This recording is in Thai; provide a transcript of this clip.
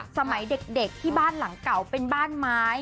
สมัยเด็กที่บ้านหลังเก่าสมัยลำน้ำเป็นบ้านไม้